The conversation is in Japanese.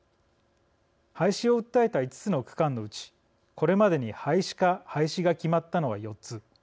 廃止を訴えた５つの区間のうちこれまでに、廃止か廃止が決まったのは４つ。